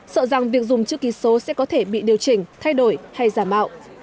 sợ rằng việc dùng chữ ký số sẽ có thể bị điều chỉnh thay đổi hay giả mạo